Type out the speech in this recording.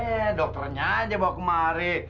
iya dokternya aja bawa kemari